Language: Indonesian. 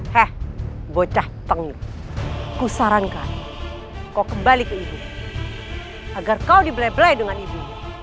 hai bocah tengku sarankan kau kembali ke ibu agar kau dibele bele dengan ibu